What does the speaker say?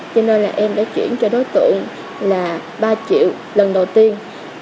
cho nên là em đã chuyển cho đối tượng là ba triệu lần đầu tiên